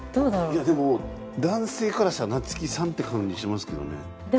いやでも男性からしたら「夏希さん」って感じしますけどね。